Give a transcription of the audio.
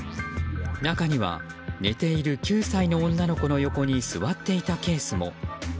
中には寝ている９歳の女の子の横に座っていたケースも。